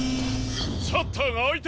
シャッターがあいた！